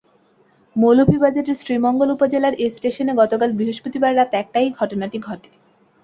মৌলভীবাজারের শ্রীমঙ্গল উপজেলার এ স্টেশনে গতকাল বৃহস্পতিবার রাত একটায় ঘটনাটি ঘটে।